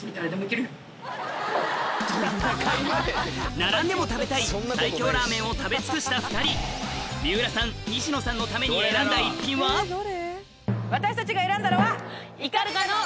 並んでも食べたい最強ラーメンを食べ尽くした２人三浦さん西野さんのために私たちが選んだのは。